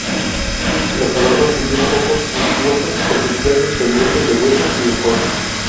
Los adornos si bien poco suntuosos, consistían en pendientes de hueso y de concha.